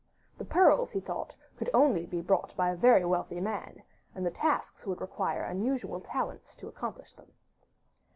The pearls, he thought, could only be brought by a very wealthy man, and the tasks would require unusual talents to accomplish them.